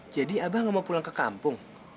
jadi abah gak mau pulang ke kampung